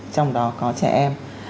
trong đó có trẻ em